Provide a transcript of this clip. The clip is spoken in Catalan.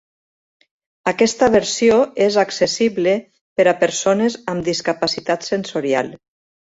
Aquesta versió és accessible per a persones amb discapacitat sensorial.